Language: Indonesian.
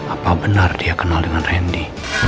apa benar dia kenal dengan randy